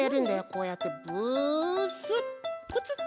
こうやってブスップツッ！